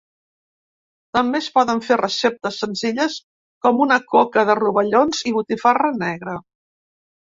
També es poden fer receptes senzilles com una coca de rovellons i botifarra negra.